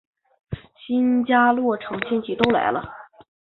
新家落成亲戚都来了